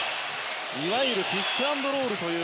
いわゆるピックアンドロールという。